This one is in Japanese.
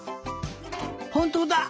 ほんとうだ！